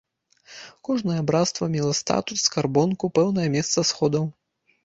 Кожнае брацтва мела статут, скарбонку, пэўнае месца сходаў.